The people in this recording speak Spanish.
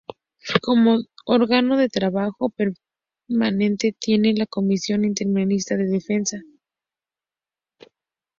Como órgano de trabajo permanente tiene la Comisión Interministerial de Defensa.